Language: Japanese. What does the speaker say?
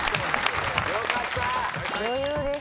よかった！